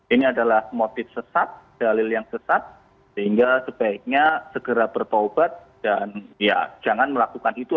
ini adalah motif sesat dalil yang sesat sehingga sebaiknya segera bertaubat dan ya jangan melakukan itu